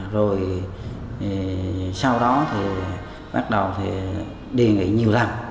rồi sau đó thì bắt đầu thì đề nghị nhiều lần